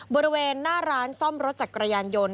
บริเวณหน้าร้านซ่อมรถจักรยานยนต์